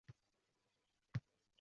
Аlloh bermish har bandaga